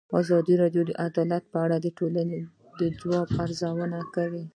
ازادي راډیو د عدالت په اړه د ټولنې د ځواب ارزونه کړې.